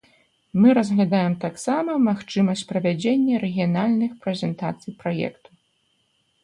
Мы разглядаем таксама магчымасць правядзення рэгіянальных прэзентацый праекта.